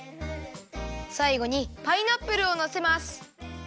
さいごにパイナップルをのせます。